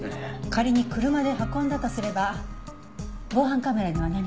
仮に車で運んだとすれば防犯カメラには何か？